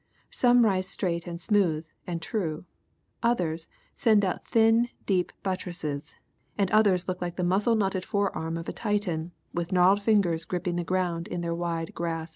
Some rise straight and smooth, and true, others send out thin deep buttresses, and others look like the muscle knotted fore arm of a Titan, with gnarled fingers griping the ground in their wide grasp.